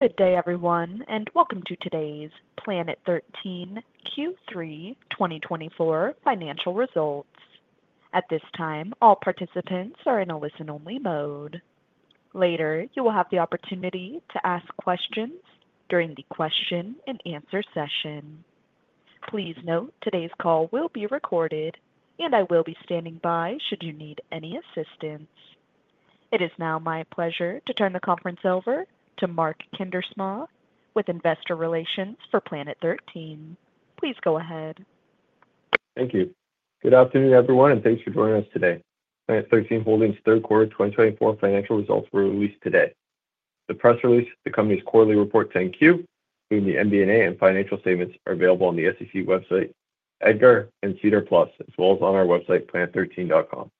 Good day, everyone, and welcome to today's Planet 13 Q3 2024 financial results. At this time, all participants are in a listen-only mode. Later, you will have the opportunity to ask questions during the question-and-answer session. Please note today's call will be recorded, and I will be standing by should you need any assistance. It is now my pleasure to turn the conference over to Mark Kuindersma with Investor Relations for Planet 13. Please go ahead. Thank you. Good afternoon, everyone, and thanks for joining us today. Planet 13 Holdings' third quarter 2024 financial results were released today. The press release, the company's quarterly report, 10-Q, including the MD&A and financial statements, are available on the SEC website, EDGAR, and SEDAR+, as well as on our website, planet13.com.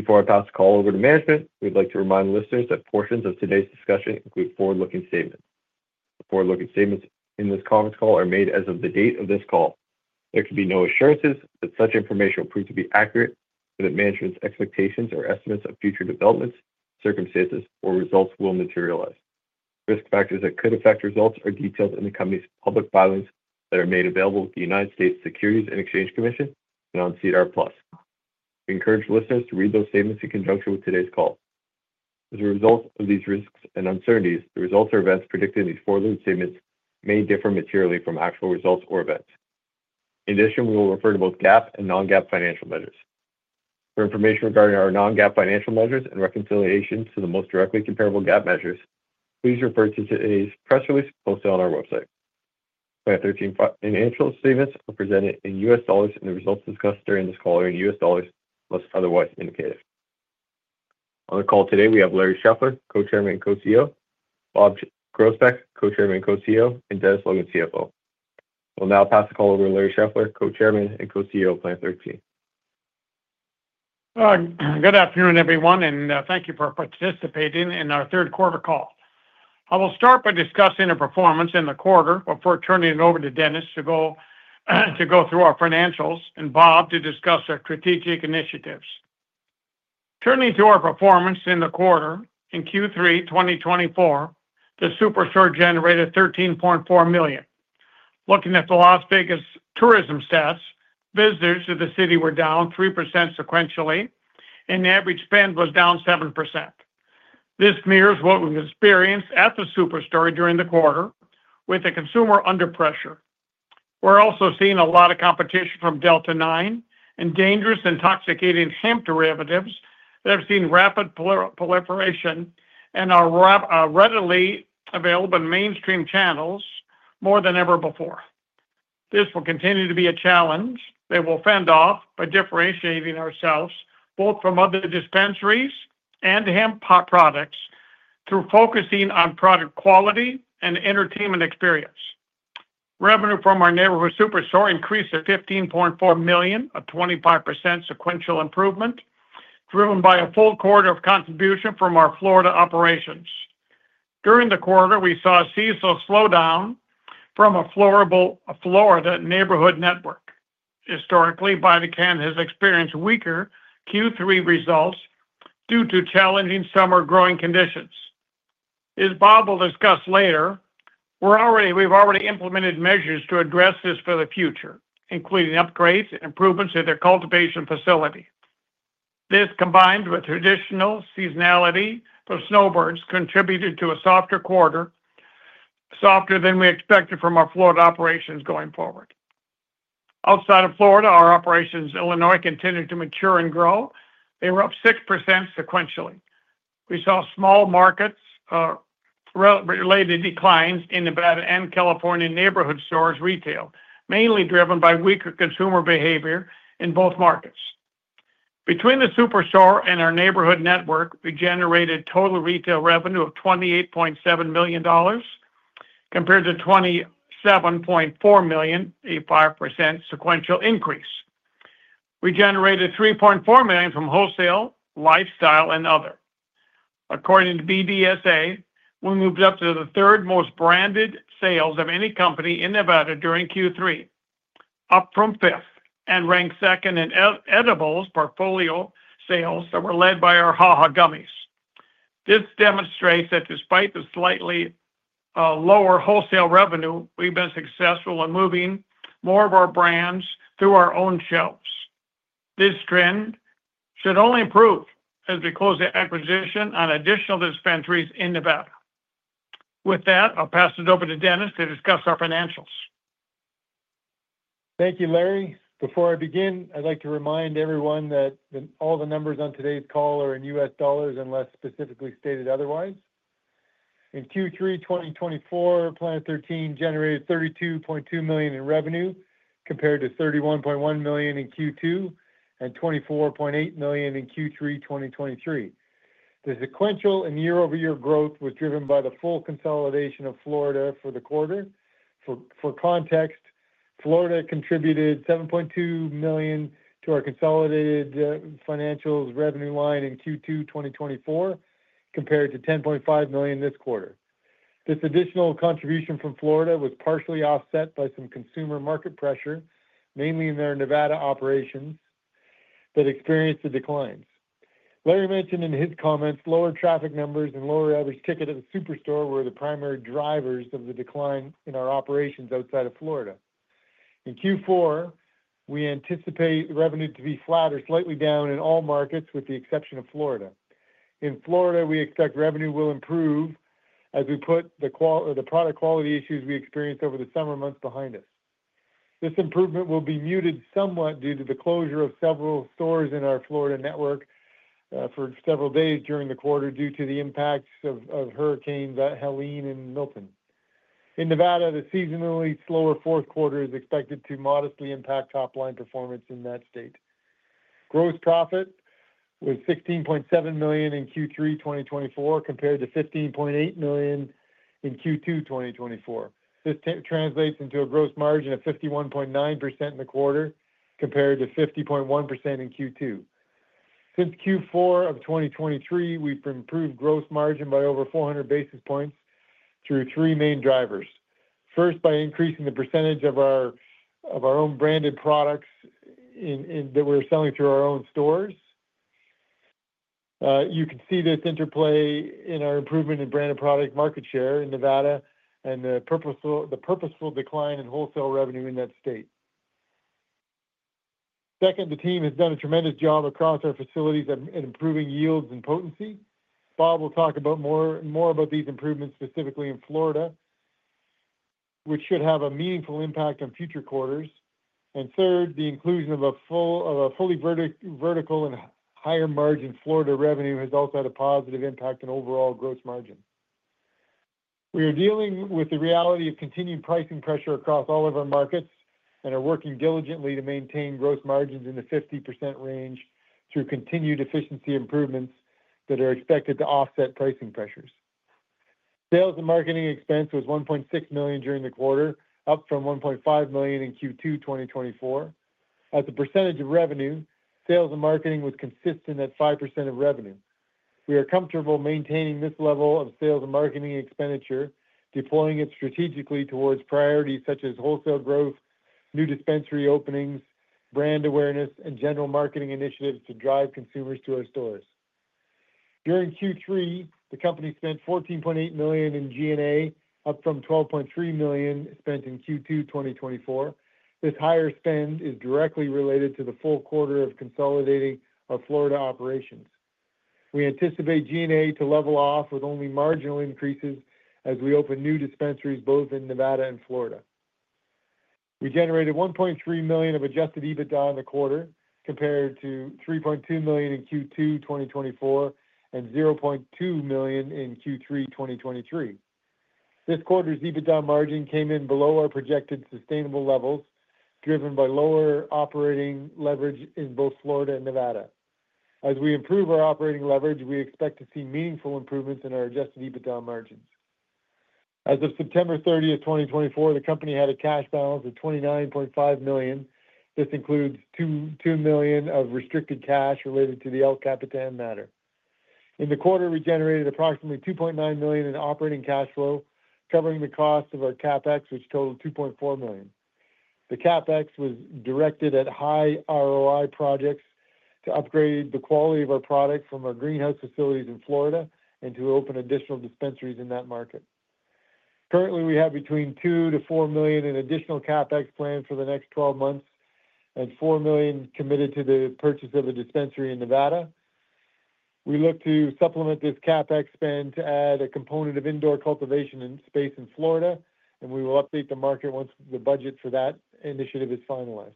Before I pass the call over to management, we'd like to remind listeners that portions of today's discussion include forward-looking statements. The forward-looking statements in this conference call are made as of the date of this call. There can be no assurances that such information will prove to be accurate or that management's expectations or estimates of future developments, circumstances, or results will materialize. Risk factors that could affect results are detailed in the company's public filings that are made available with the United States Securities and Exchange Commission and on SEDAR+. We encourage listeners to read those statements in conjunction with today's call. As a result of these risks and uncertainties, the results or events predicted in these forward-looking statements may differ materially from actual results or events. In addition, we will refer to both GAAP and non-GAAP financial measures. For information regarding our non-GAAP financial measures and reconciliation to the most directly comparable GAAP measures, please refer to today's press release posted on our website. Planet 13 financial statements are presented in U.S. dollars, and the results discussed during this call are in U.S. dollars unless otherwise indicated. On the call today, we have Larry Scheffler, co-chairman and co-CEO; Bob Groesbeck, Co-chairman and Co-CEO; and Dennis Logan, CFO. I'll now pass the call over to Larry Scheffler, Co-chairman and Co-CEO of Planet 13. Good afternoon, everyone, and thank you for participating in our third quarter call. I will start by discussing our performance in the quarter before turning it over to Dennis to go through our financials and Bob to discuss our strategic initiatives. Turning to our performance in the quarter, in Q3 2024, the SuperStore generated $13.4 million. Looking at the Las Vegas tourism stats, visitors to the city were down 3% sequentially, and the average spend was down 7%. This mirrors what we experienced at the SuperStore during the quarter, with the consumer under pressure. We're also seeing a lot of competition from Delta 9 and dangerous intoxicating hemp derivatives that have seen rapid proliferation and are readily available in mainstream channels more than ever before. This will continue to be a challenge that we'll fend off by differentiating ourselves both from other dispensaries and hemp products through focusing on product quality and entertainment experience. Revenue from our neighborhood SuperStore increased to $15.4 million, a 25% sequential improvement driven by a full quarter of contribution from our Florida operations. During the quarter, we saw a seasonal slowdown from a Florida neighborhood network. Historically, VidaCann has experienced weaker Q3 results due to challenging summer growing conditions. As Bob will discuss later, we've already implemented measures to address this for the future, including upgrades and improvements to their cultivation facility. This, combined with traditional seasonality for snowbirds, contributed to a softer quarter, softer than we expected from our Florida operations going forward. Outside of Florida, our operations in Illinois continue to mature and grow. They were up 6% sequentially. We saw small markets-related declines in Nevada and California neighborhood stores retail, mainly driven by weaker consumer behavior in both markets. Between the SuperStore and our neighborhood network, we generated total retail revenue of $28.7 million compared to $27.4 million, a 5% sequential increase. We generated $3.4 million from wholesale, lifestyle, and other. According to BDSA, we moved up to the third most branded sales of any company in Nevada during Q3, up from fifth, and ranked second in edibles portfolio sales that were led by our HaHa gummies. This demonstrates that despite the slightly lower wholesale revenue, we've been successful in moving more of our brands through our own shelves. This trend should only improve as we close the acquisition on additional dispensaries in Nevada. With that, I'll pass it over to Dennis to discuss our financials. Thank you, Larry. Before I begin, I'd like to remind everyone that all the numbers on today's call are in US dollars unless specifically stated otherwise. In Q3 2024, Planet 13 generated $32.2 million in revenue compared to $31.1 million in Q2 and $24.8 million in Q3 2023. The sequential and year-over-year growth was driven by the full consolidation of Florida for the quarter. For context, Florida contributed $7.2 million to our consolidated financials revenue line in Q2 2024 compared to $10.5 million this quarter. This additional contribution from Florida was partially offset by some consumer market pressure, mainly in their Nevada operations, that experienced the declines. Larry mentioned in his comments lower traffic numbers and lower average ticket at the SuperStore were the primary drivers of the decline in our operations outside of Florida. In Q4, we anticipate revenue to be flat or slightly down in all markets with the exception of Florida. In Florida, we expect revenue will improve as we put the product quality issues we experienced over the summer months behind us. This improvement will be muted somewhat due to the closure of several stores in our Florida network for several days during the quarter due to the impacts of hurricanes Helene and Milton. In Nevada, the seasonally slower fourth quarter is expected to modestly impact top-line performance in that state. Gross profit was $16.7 million in Q3 2024 compared to $15.8 million in Q2 2024. This translates into a gross margin of 51.9% in the quarter compared to 50.1% in Q2. Since Q4 of 2023, we've improved gross margin by over 400 basis points through three main drivers. First, by increasing the percentage of our own branded products that we're selling through our own stores. You can see this interplay in our improvement in branded product market share in Nevada and the purposeful decline in wholesale revenue in that state. Second, the team has done a tremendous job across our facilities in improving yields and potency. Bob will talk more about these improvements specifically in Florida, which should have a meaningful impact on future quarters. And third, the inclusion of a fully vertical and higher margin Florida revenue has also had a positive impact on overall gross margin. We are dealing with the reality of continued pricing pressure across all of our markets and are working diligently to maintain gross margins in the 50% range through continued efficiency improvements that are expected to offset pricing pressures. Sales and marketing expense was $1.6 million during the quarter, up from $1.5 million in Q2 2024. As a percentage of revenue, sales and marketing was consistent at 5% of revenue. We are comfortable maintaining this level of sales and marketing expenditure, deploying it strategically towards priorities such as wholesale growth, new dispensary openings, brand awareness, and general marketing initiatives to drive consumers to our stores. During Q3, the company spent $14.8 million in G&A, up from $12.3 million spent in Q2 2024. This higher spend is directly related to the full quarter of consolidating our Florida operations. We anticipate G&A to level off with only marginal increases as we open new dispensaries both in Nevada and Florida. We generated $1.3 million of adjusted EBITDA in the quarter compared to $3.2 million in Q2 2024 and $0.2 million in Q3 2023. This quarter's EBITDA margin came in below our projected sustainable levels, driven by lower operating leverage in both Florida and Nevada. As we improve our operating leverage, we expect to see meaningful improvements in our adjusted EBITDA margins. As of September 30th, 2024, the company had a cash balance of $29.5 million. This includes $2 million of restricted cash related to the El Capitan matter. In the quarter, we generated approximately $2.9 million in operating cash flow, covering the cost of our CapEx, which totaled $2.4 million. The CapEx was directed at high ROI projects to upgrade the quality of our product from our greenhouse facilities in Florida and to open additional dispensaries in that market. Currently, we have between $2 mliion-$4 million in additional CapEx planned for the next 12 months and $4 million committed to the purchase of a dispensary in Nevada. We look to supplement this CapEx spend to add a component of indoor cultivation space in Florida, and we will update the market once the budget for that initiative is finalized.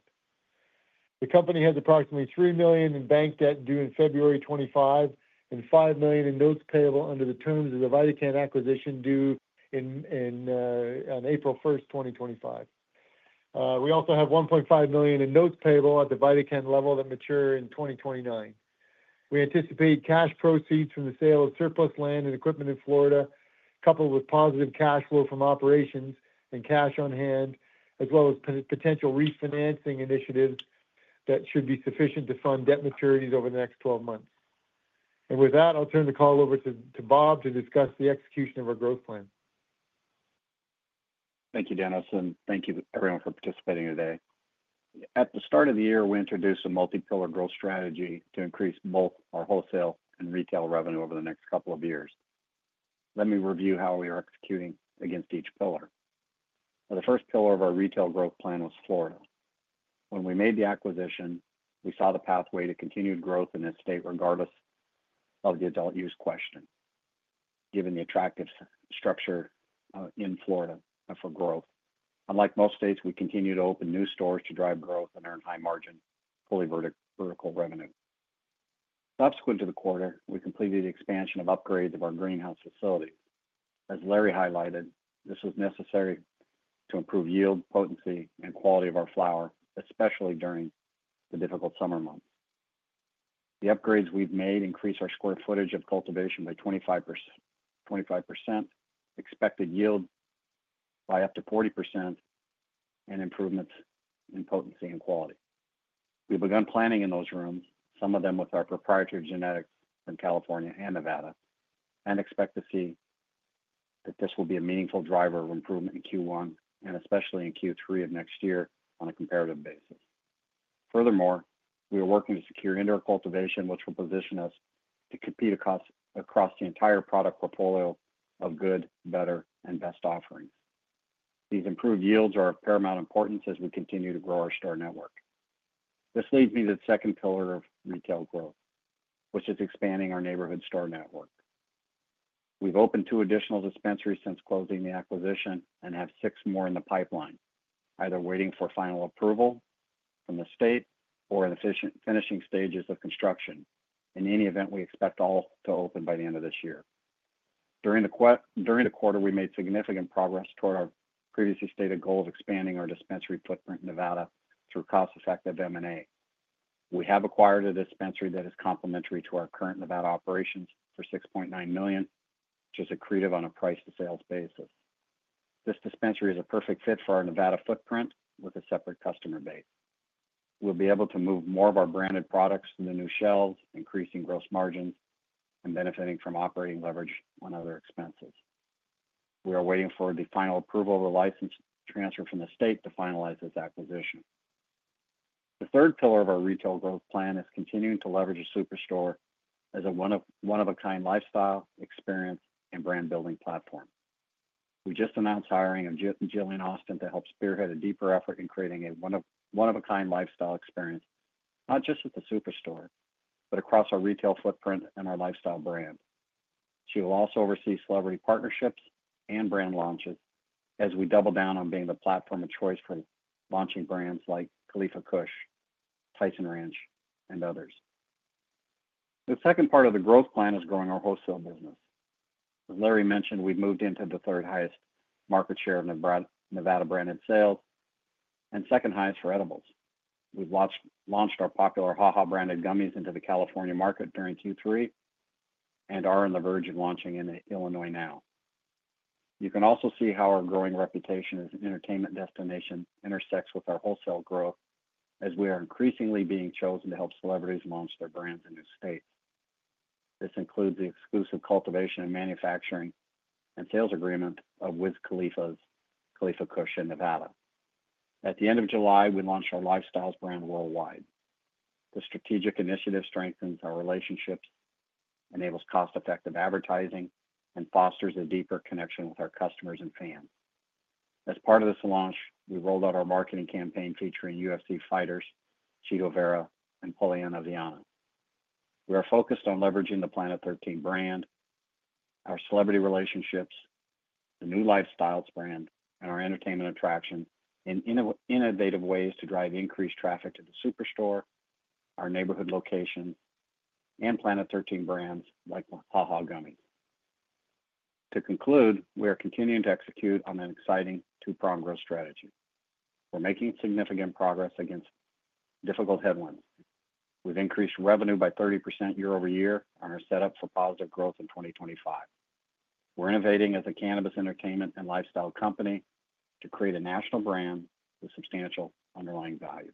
The company has approximately $3 million in bank debt due in February 2025 and $5 million in notes payable under the terms of the VidaCann acquisition due on April 1st, 2025. We also have $1.5 million in notes payable at the VidaCann level that mature in 2029. We anticipate cash proceeds from the sale of surplus land and equipment in Florida, coupled with positive cash flow from operations and cash on hand, as well as potential refinancing initiatives that should be sufficient to fund debt maturities over the next 12 months. And with that, I'll turn the call over to Bob to discuss the execution of our growth plan. Thank you, Dennis, and thank you everyone for participating today. At the start of the year, we introduced a multi-pillar growth strategy to increase both our wholesale and retail revenue over the next couple of years. Let me review how we are executing against each pillar. The first pillar of our retail growth plan was Florida. When we made the acquisition, we saw the pathway to continued growth in this state regardless of the adult use question, given the attractive structure in Florida for growth. Unlike most states, we continue to open new stores to drive growth and earn high margin fully vertical revenue. Subsequent to the quarter, we completed the expansion of upgrades of our greenhouse facilities. As Larry highlighted, this was necessary to improve yield, potency, and quality of our flower, especially during the difficult summer months. The upgrades we've made increased our square footage of cultivation by 25%, expected yield by up to 40%, and improvements in potency and quality. We've begun planning in those rooms, some of them with our proprietary genetics from California and Nevada, and expect to see that this will be a meaningful driver of improvement in Q1 and especially in Q3 of next year on a comparative basis. Furthermore, we are working to secure indoor cultivation, which will position us to compete across the entire product portfolio of good, better, and best offerings. These improved yields are of paramount importance as we continue to grow our store network. This leads me to the second pillar of retail growth, which is expanding our neighborhood store network. We've opened two additional dispensaries since closing the acquisition and have six more in the pipeline, either waiting for final approval from the state or in finishing stages of construction. In any event, we expect all to open by the end of this year. During the quarter, we made significant progress toward our previously stated goal of expanding our dispensary footprint in Nevada through cost-effective M&A. We have acquired a dispensary that is complementary to our current Nevada operations for $6.9 million, which is accretive on a price-to-sales basis. This dispensary is a perfect fit for our Nevada footprint with a separate customer base. We'll be able to move more of our branded products to the new shelves, increasing gross margins and benefiting from operating leverage on other expenses. We are waiting for the final approval of the license transfer from the state to finalize this acquisition. The third pillar of our retail growth plan is continuing to leverage a SuperStore as a one-of-a-kind lifestyle experience and brand-building platform. We just announced hiring of Jillian Austin to help spearhead a deeper effort in creating a one-of-a-kind lifestyle experience, not just at the SuperStore, but across our retail footprint and our lifestyle brand. She will also oversee celebrity partnerships and brand launches as we double down on being the platform of choice for launching brands like Khalifa Kush, Tyson Ranch, and others. The second part of the growth plan is growing our wholesale business. As Larry mentioned, we've moved into the third highest market share of Nevada branded sales and second highest for edibles. We've launched our popular HaHa branded gummies into the California market during Q3 and are on the verge of launching in Illinois now. You can also see how our growing reputation as an entertainment destination intersects with our wholesale growth as we are increasingly being chosen to help celebrities launch their brands in new states. This includes the exclusive cultivation and manufacturing and sales agreement with Khalifa Kush in Nevada. At the end of July, we launched our lifestyles brand worldwide. The strategic initiative strengthens our relationships, enables cost-effective advertising, and fosters a deeper connection with our customers and fans. As part of this launch, we rolled out our marketing campaign featuring UFC fighters, Chito Vera, and Polyana Viana. We are focused on leveraging the Planet 13 brand, our celebrity relationships, the new lifestyles brand, and our entertainment attraction in innovative ways to drive increased traffic to the SuperStore, our neighborhood locations, and Planet 13 brands like HaHa Gummies. To conclude, we are continuing to execute on an exciting two-pronged growth strategy. We're making significant progress against difficult headwinds. We've increased revenue by 30% year over year on our setup for positive growth in 2025. We're innovating as a cannabis entertainment and lifestyle company to create a national brand with substantial underlying value.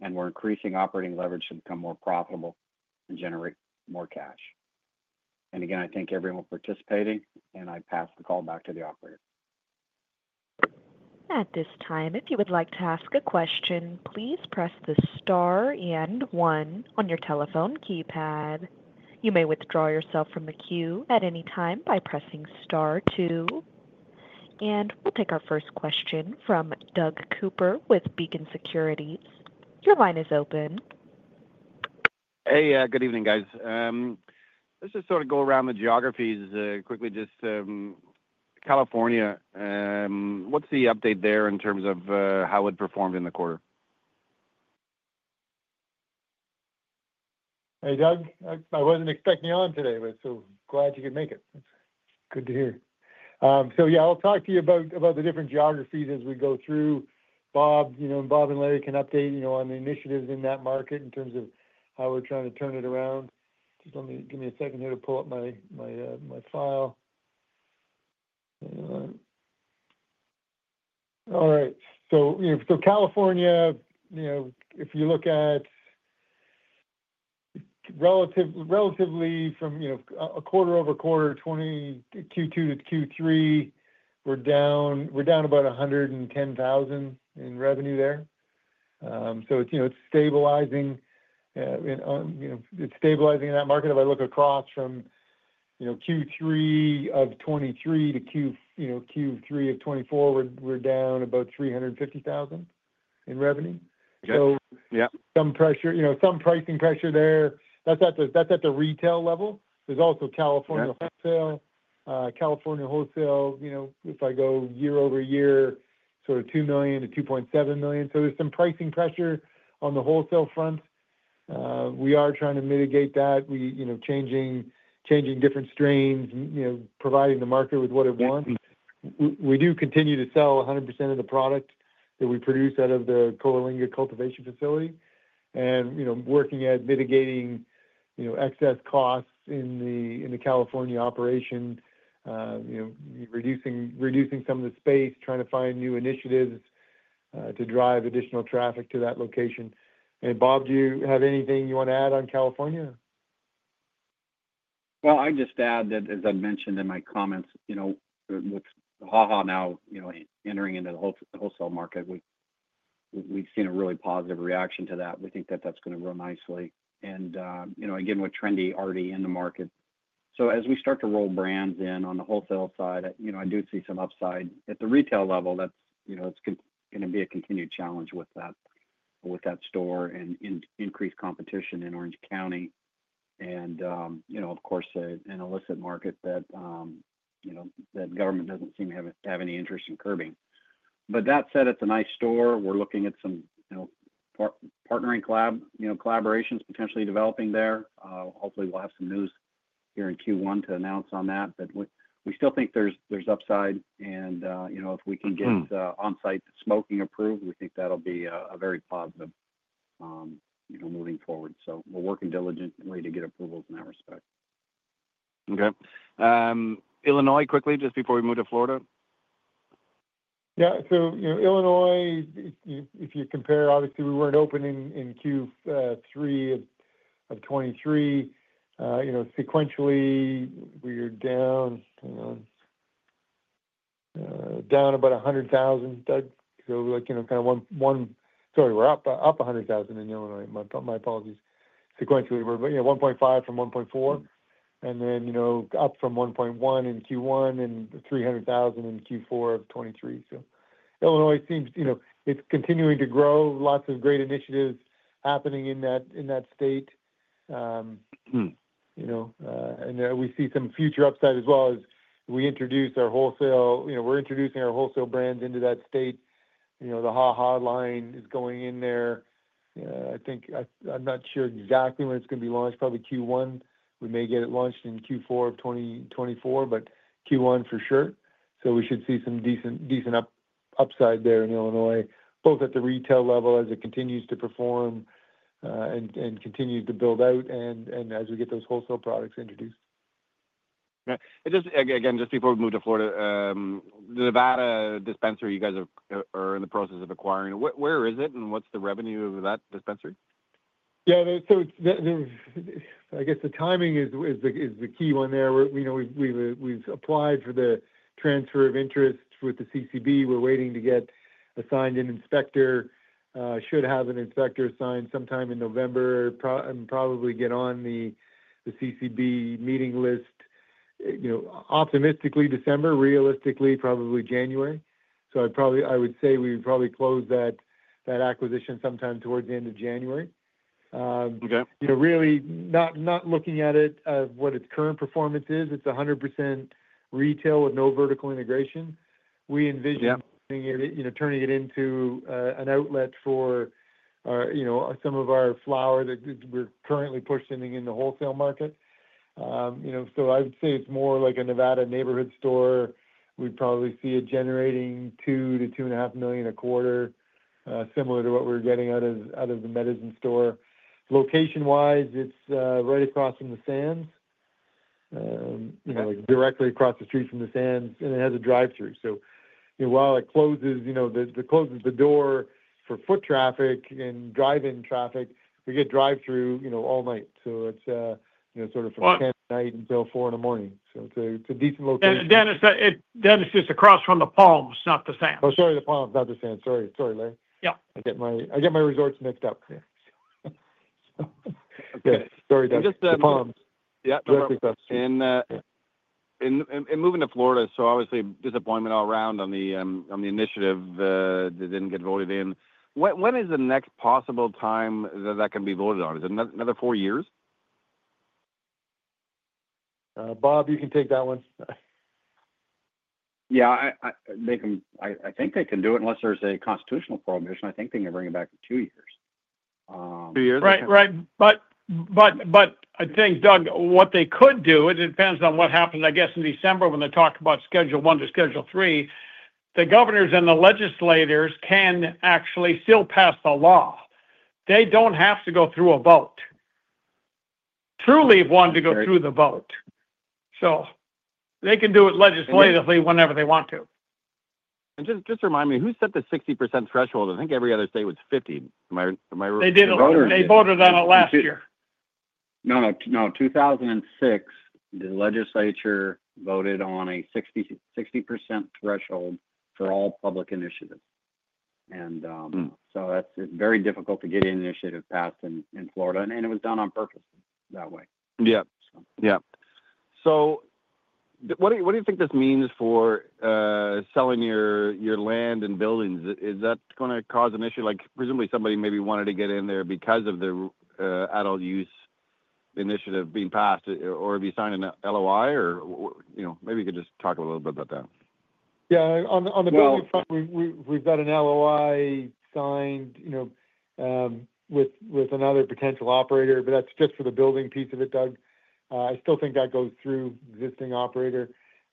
And we're increasing operating leverage to become more profitable and generate more cash. And again, I thank everyone for participating, and I pass the call back to the operator. At this time, if you would like to ask a question, please press the star and one on your telephone keypad. You may withdraw yourself from the queue at any time by pressing star two. And we'll take our first question from Doug Cooper with Beacon Securities. Your line is open. Hey, good evening, guys. This is sort of go around the geographies quickly, just California. What's the update there in terms of how it performed in the quarter? Hey, Doug. I wasn't expecting you on today, but so glad you could make it. Good to hear. So yeah, I'll talk to you about the different geographies as we go through. Bob and Larry can update on the initiatives in that market in terms of how we're trying to turn it around. Just give me a second here to pull up my file. All right. So California, if you look at relatively from a quarter over quarter, Q2 to Q3, we're down about $110,000 in revenue there. So it's stabilizing in that market. If I look across from Q3 of 2023 to Q3 of 2024, we're down about $350,000 in revenue. So some pricing pressure there. That's at the retail level. There's also California wholesale. California wholesale, if I go year over year, sort of $2 million-$2.7 million. So there's some pricing pressure on the wholesale front. We are trying to mitigate that, changing different strains, providing the market with what it wants. We do continue to sell 100% of the product that we produce out of the Coalinga cultivation facility, and working at mitigating excess costs in the California operation, reducing some of the space, trying to find new initiatives to drive additional traffic to that location. And Bob, do you have anything you want to add on California? I'd just add that, as I mentioned in my comments, with HaHa now entering into the wholesale market, we've seen a really positive reaction to that. We think that that's going to grow nicely, and again, with Trendi already in the market, so as we start to roll brands in on the wholesale side, I do see some upside. At the retail level, it's going to be a continued challenge with that store and increased competition in Orange County, and of course, an illicit market that government doesn't seem to have any interest in curbing, but that said, it's a nice store. We're looking at some partnering collaborations potentially developing there. Hopefully, we'll have some news here in Q1 to announce on that, but we still think there's upside, and if we can get on-site smoking approved, we think that'll be a very positive moving forward. So we're working diligently to get approvals in that respect. Okay. Illinois quickly, just before we move to Florida. Yeah. So Illinois, if you compare, obviously, we weren't open in Q3 of 2023. Sequentially, we were down about $100,000, Doug. So, sorry, we're up $100,000 in Illinois. My apologies. Sequentially, we're $1.5 from $1.4, and then up from $1.1 in Q1 and $300,000 in Q4 of 2023. So Illinois seems it's continuing to grow. Lots of great initiatives happening in that state. And we see some future upside as well as we're introducing our wholesale brands into that state. The HaHa line is going in there. I'm not sure exactly when it's going to be launched. Probably Q1. We may get it launched in Q4 of 2024, but Q1 for sure. So we should see some decent upside there in Illinois, both at the retail level as it continues to perform and continues to build out and as we get those wholesale products introduced. Again, just before we move to Florida, the Nevada dispensary you guys are in the process of acquiring. Where is it, and what's the revenue of that dispensary? Yeah. So I guess the timing is the key one there. We've applied for the transfer of interest with the CCB. We're waiting to get assigned an inspector. Should have an inspector assigned sometime in November and probably get on the CCB meeting list. Optimistically, December. Realistically, probably January. So I would say we would probably close that acquisition sometime towards the end of January. Really, not looking at it for what its current performance is. It's 100% retail with no vertical integration. We envision turning it into an outlet for some of our flower that we're currently pushing in the wholesale market. So I would say it's more like a Nevada neighborhood store. We'd probably see it generating $2 million-$2.5 million a quarter, similar to what we're getting out of the Medizin store. Location-wise, it's right across from the Palms, directly across the street from the Palms, and it has a drive-through. So while it closes the door for foot traffic and drive-in traffic, we get drive-through all night. So it's sort of from 10:00 P.M. until 4:00 A.M. So it's a decent location. Dennis is across from the Palms, not the Sands. Oh, sorry, the Palms, not the Sands. Sorry, Larry. I get my resorts mixed up. Okay. Sorry, Dennis. The Palms. Yeah, and moving to Florida, so obviously disappointment all around on the initiative that didn't get voted in. When is the next possible time that that can be voted on? Is it another four years? Bob, you can take that one. Yeah. I think they can do it unless there's a constitutional prohibition. I think they can bring it back in two years. Two years? Right. But I think, Doug, what they could do, it depends on what happens, I guess, in December when they talk about Schedule I to Schedule III. The governors and the legislators can actually still pass the law. They don't have to go through a vote. Truly, if you wanted to go through the vote. They can do it legislatively whenever they want to. Just remind me, who set the 60% threshold? I think every other state was 50%. Am I right? They didn't vote on it last year. No, no. 2006, the legislature voted on a 60% threshold for all public initiatives. And so it's very difficult to get an initiative passed in Florida. And it was done on purpose that way. Yeah. Yeah. So what do you think this means for selling your land and buildings? Is that going to cause an issue? Presumably, somebody maybe wanted to get in there because of the adult use initiative being passed or if you sign an LOI, or maybe you could just talk a little bit about that. Yeah. On the building front, we've got an LOI signed with another potential operator, but that's just for the building piece of it, Doug. I still think that goes through existing operator.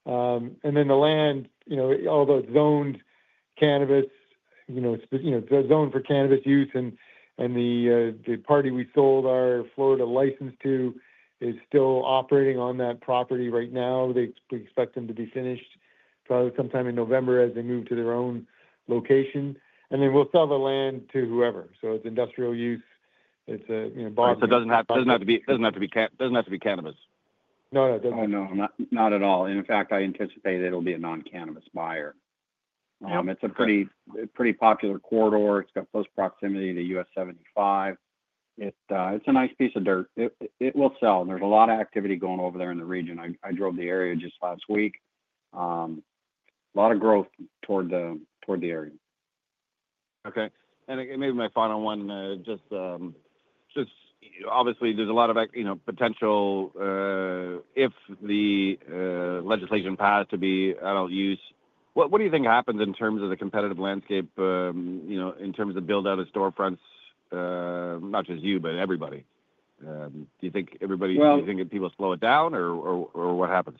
Then the land, although it's zoned cannabis, it's zoned for cannabis use. The party we sold our Florida license to is still operating on that property right now. We expect them to be finished probably sometime in November as they move to their own location. Then we'll sell the land to whoever. So it's industrial use. It's a lot. So it doesn't have to be cannabis. No, no. It doesn't. No, no. Not at all. In fact, I anticipate it'll be a non-cannabis buyer. It's a pretty popular corridor. It's got close proximity to [U.S. 75]. It's a nice piece of dirt. It will sell. And there's a lot of activity going over there in the region. I drove the area just last week. A lot of growth toward the area. Okay. And maybe my final one, just obviously, there's a lot of potential if the legislation passed to be adult use. What do you think happens in terms of the competitive landscape in terms of build-out of storefronts, not just you, but everybody? Do you think people slow it down, or what happens?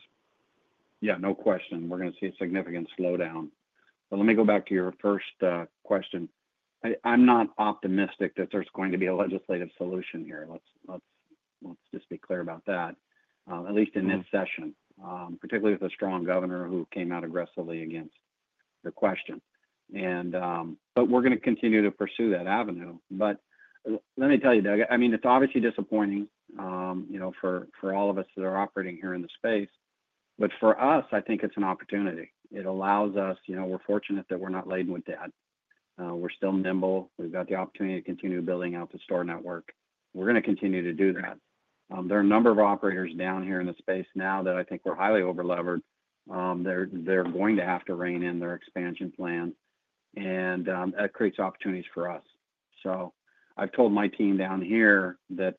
Yeah. No question. We're going to see a significant slowdown. But let me go back to your first question. I'm not optimistic that there's going to be a legislative solution here. Let's just be clear about that, at least in this session, particularly with a strong governor who came out aggressively against the question. But we're going to continue to pursue that avenue. But let me tell you, Doug, I mean, it's obviously disappointing for all of us that are operating here in the space. But for us, I think it's an opportunity. It allows us. We're fortunate that we're not laden with debt. We're still nimble. We've got the opportunity to continue building out the store network. We're going to continue to do that. There are a number of operators down here in the space now that I think are highly overleveraged. They're going to have to rein in their expansion plan. And that creates opportunities for us. So I've told my team down here that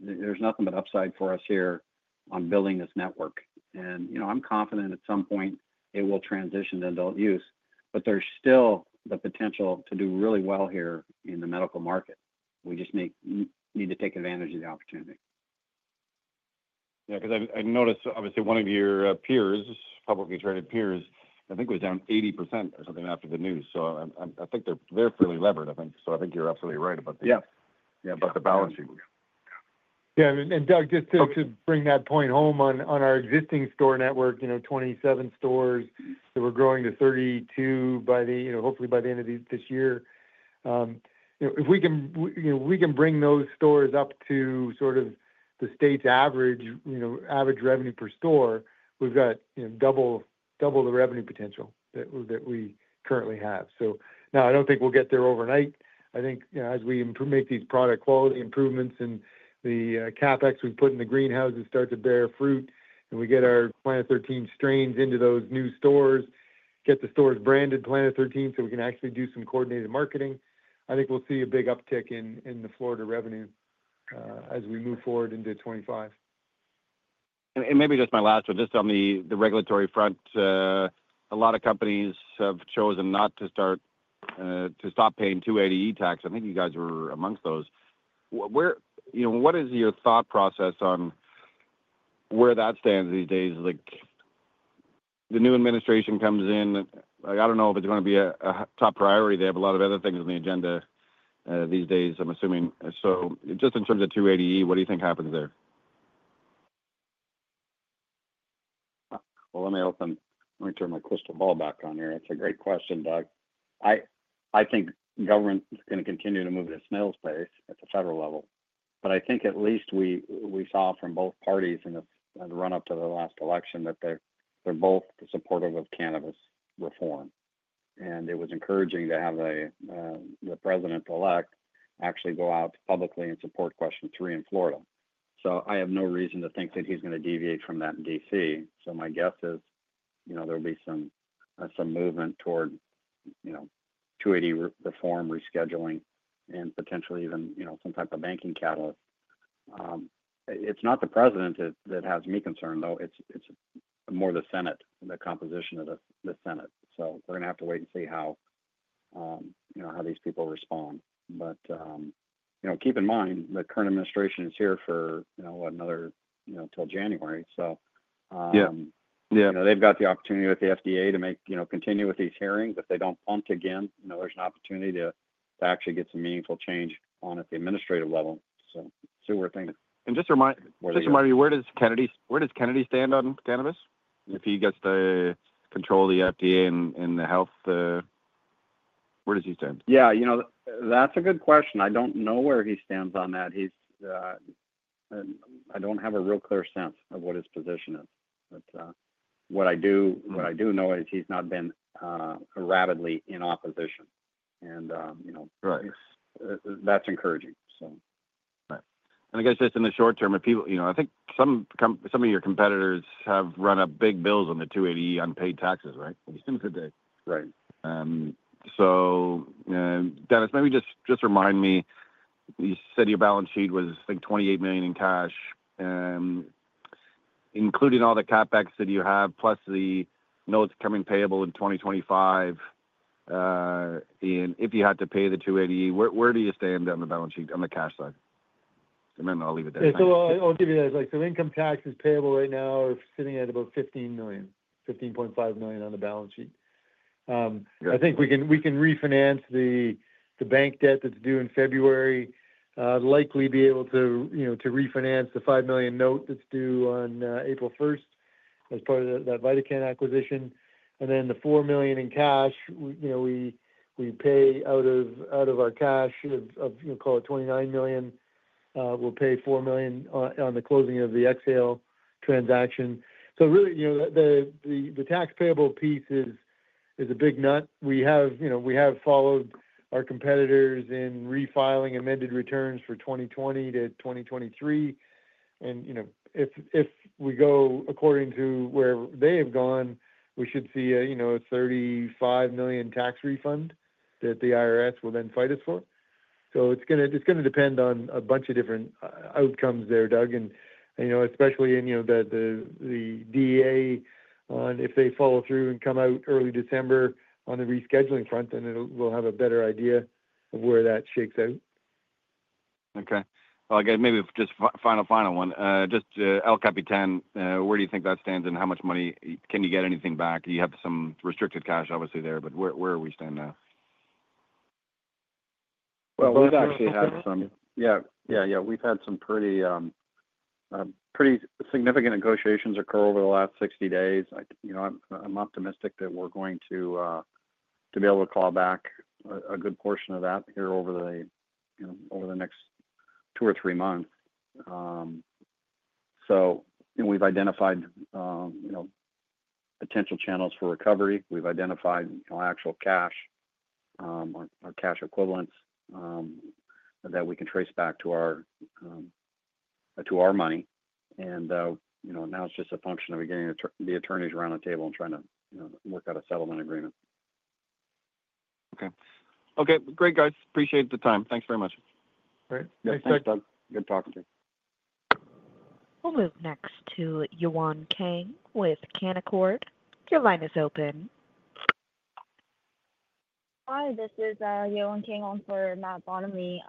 there's nothing but upside for us here on building this network. And I'm confident at some point it will transition to adult use. But there's still the potential to do really well here in the medical market. We just need to take advantage of the opportunity. Yeah. Because I noticed, obviously, one of your peers, publicly traded peers, I think was down 80% or something after the news. So I think they're fairly levered, I think. So I think you're absolutely right about the balance sheet. Yeah, and Doug, just to bring that point home on our existing store network, 27 stores, that we're growing to 32 hopefully by the end of this year. If we can bring those stores up to sort of the state's average revenue per store, we've got double the revenue potential that we currently have, so now, I don't think we'll get there overnight. I think as we make these product quality improvements and the CapEx we put in the greenhouses starts to bear fruit and we get our Planet 13 strains into those new stores, get the stores branded Planet 13 so we can actually do some coordinated marketing, I think we'll see a big uptick in the Florida revenue as we move forward into 2025. Maybe just my last one. Just on the regulatory front, a lot of companies have chosen not to stop paying 280E tax. I think you guys were amongst those. What is your thought process on where that stands these days? The new administration comes in. I don't know if it's going to be a top priority. They have a lot of other things on the agenda these days, I'm assuming. So just in terms of 280E, what do you think happens there? Well, let me turn my crystal ball back on here. That's a great question, Doug. I think government is going to continue to move in a snail's pace at the federal level. But I think at least we saw from both parties in the run-up to the last election that they're both supportive of cannabis reform. And it was encouraging to have the president-elect actually go out publicly and support Question 3 in Florida. So I have no reason to think that he's going to deviate from that in D.C. So my guess is there'll be some movement toward 280 reform, rescheduling, and potentially even some type of banking catalyst. It's not the president that has me concerned, though. It's more the Senate, the composition of the Senate. So we're going to have to wait and see how these people respond. But keep in mind, the current administration is here for another until January. So they've got the opportunity with the FDA to continue with these hearings. If they don't punt again, there's an opportunity to actually get some meaningful change on at the administrative level. So see where things are. Just remind me, where does Kennedy stand on cannabis? If he gets to control the FDA and the health, where does he stand? Yeah. That's a good question. I don't know where he stands on that. I don't have a real clear sense of what his position is. But what I do know is he's not been vocally in opposition. And that's encouraging, so. Right, and I guess just in the short term, I think some of your competitors have run up big bills on the 280E unpaid taxes, right? Right. Dennis, maybe just remind me. You said your balance sheet was, I think, $28 million in cash, including all the CapEx that you have, plus the notes coming payable in 2025. And if you had to pay the 280E, where do you stand on the balance sheet on the cash side? And then I'll leave it there. So I'll give you that. Income tax is payable right now. We're sitting at about $15 million, $15.5 million on the balance sheet. I think we can refinance the bank debt that's due in February, likely be able to refinance the $5 million note that's due on April 1st as part of that VidaCann acquisition. And then the $4 million in cash, we pay out of our cash of, call it $29 million. We'll pay $4 million on the closing of the Exhale transaction. Really, the tax payable piece is a big nut. We have followed our competitors in refiling amended returns for 2020 to 2023. And if we go according to where they have gone, we should see a $35 million tax refund that the IRS will then fight us for. So it's going to depend on a bunch of different outcomes there, Doug, and especially in the DEA on if they follow through and come out early December on the rescheduling front, then we'll have a better idea of where that shakes out. Okay. Well, I guess maybe just final, final one. Just El Capitan, where do you think that stands and how much money can you get anything back? You have some restricted cash, obviously, there. But where are we standing now? We've actually had some, yeah, yeah, yeah. We've had some pretty significant negotiations occur over the last 60 days. I'm optimistic that we're going to be able to claw back a good portion of that here over the next two or three months. We've identified potential channels for recovery. We've identified actual cash or cash equivalents that we can trace back to our money. Now it's just a function of getting the attorneys around the table and trying to work out a settlement agreement. Okay. Okay. Great, guys. Appreciate the time. Thanks very much. All right. Thanks, Doug. Thanks, Doug. Good talking to you. We'll move next to Yewon Kang with Canaccord. Your line is open. Hi. This is Yewon Kang for Matt Bottomley.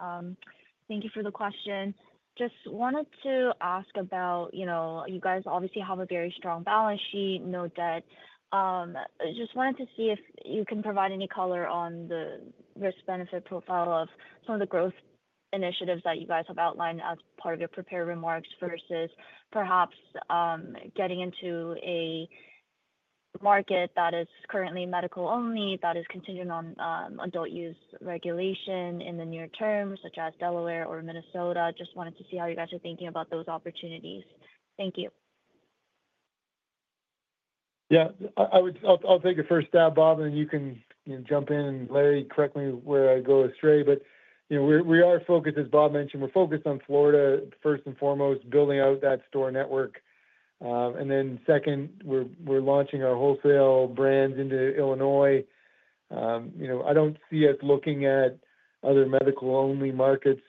Thank you for the question. Just wanted to ask about you guys obviously have a very strong balance sheet, no debt. Just wanted to see if you can provide any color on the risk-benefit profile of some of the growth initiatives that you guys have outlined as part of your prepared remarks versus perhaps getting into a market that is currently medical-only, that is continuing on adult use regulation in the near term, such as Delaware or Minnesota. Just wanted to see how you guys are thinking about those opportunities. Thank you. Yeah. I'll take it first, Bob, and then you can jump in and weigh in correctly where I go astray. But we are focused, as Bob mentioned, on Florida first and foremost, building out that store network. Then second, we're launching our wholesale brands into Illinois. I don't see us looking at other medical-only markets.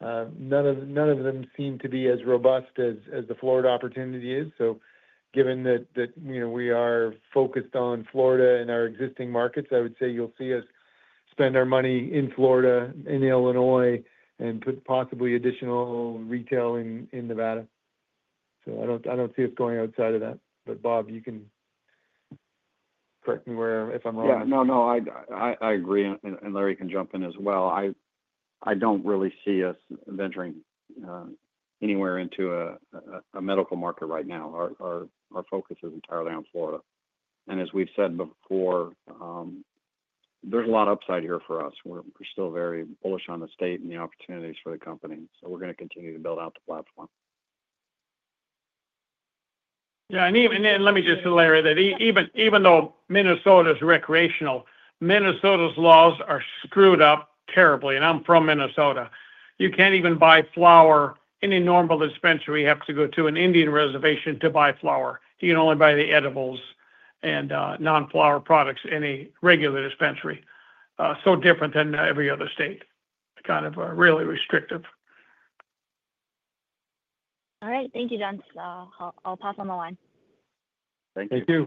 None of them seem to be as robust as the Florida opportunity is. Given that we are focused on Florida and our existing markets, I would say you'll see us spend our money in Florida, in Illinois, and put possibly additional retail in Nevada. I don't see us going outside of that. But Bob, you can correct me if I'm wrong. Yeah. No, no. I agree. And Larry can jump in as well. I don't really see us venturing anywhere into a medical market right now. Our focus is entirely on Florida. And as we've said before, there's a lot of upside here for us. We're still very bullish on the state and the opportunities for the company. So we're going to continue to build out the platform. Yeah, and let me just elaborate that. Even though Minnesota's recreational, Minnesota's laws are screwed up terribly. I'm from Minnesota. You can't even buy flower. Any normal dispensary has to go to an Indian reservation to buy flower. You can only buy the edibles and non-flower products in a regular dispensary. It's different than every other state. It's kind of really restrictive. All right. Thank you, Dennis. I'll pass on the line. Thank you.